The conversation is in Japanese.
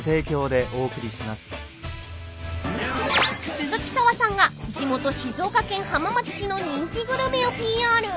［鈴木砂羽さんが地元静岡県浜松市の人気グルメをＰＲ］